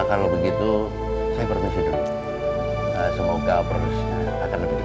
kalau begitu saya permisi dulu semoga produsnya akan lebih jelas